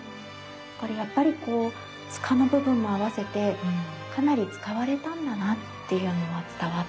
これやっぱりこう柄の部分も合わせてかなり使われたんだなっていうのは伝わってきますよね。